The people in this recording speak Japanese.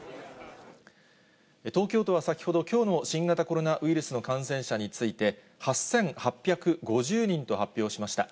東京都は先ほど、きょうの新型コロナウイルスの感染者について、８８５０人と発表しました。